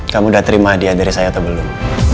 kamu udah terima hadiah dari saya atau belum